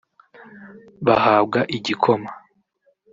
Bahabwa igikoma